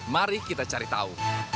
mari kita cari tahu